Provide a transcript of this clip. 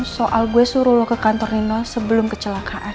soal gue suruh lo ke kantor nino sebelum kecelakaan